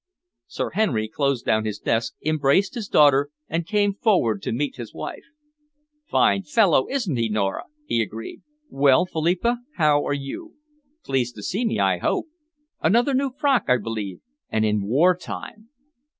Sir Henry closed down his desk, embraced his daughter, and came forward to meet his wife. "Fine fellow, isn't he, Nora!" he agreed. "Well, Philippa, how are you? Pleased to see me, I hope? Another new frock, I believe, and in war time!"